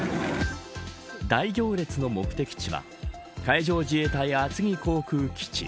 大行列の目的地は海上自衛隊厚木航空基地。